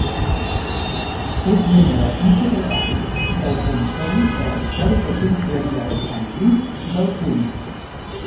És membre i secretari del consell de la històrica Confraria del Sant Crist d'Alcúdia.